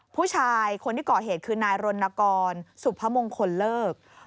ผู้ชายคนที่ก่อเหตุคือนายรณกรสุพมงคลเลิก